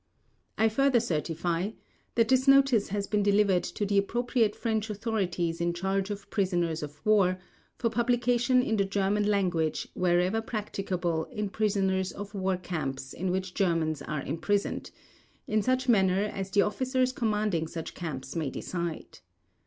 I further certify that this notice has been delivered to the appropriate French authorities in charge of prisoners of war for publication in the German language wherever practicable in prisoner of war camps in which Germans are imprisoned, in such manner as the officers commanding such camps may decide.